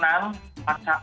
yang penting senang